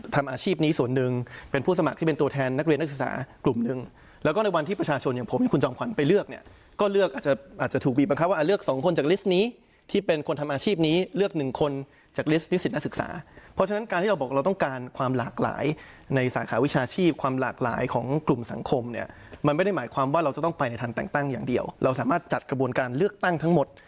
ทำอาชีพนี้ส่วนหนึ่งเป็นผู้สมัครที่เป็นตัวแทนนักเรียนนักศึกษากลุ่มหนึ่งแล้วก็ในวันที่ประชาชนอย่างผมให้คุณจอมขวัญไปเลือกเนี่ยก็เลือกอาจจะอาจจะถูกบีบบังคับว่าเลือกสองคนจากลิสต์นี้ที่เป็นคนทำอาชีพนี้เลือกหนึ่งคนจากลิสต์นิสิตนักศึกษาเพราะฉะนั้นการที่เราบอกว่าเราต้องการความ